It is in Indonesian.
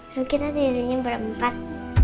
lalu kita tidurnya berempat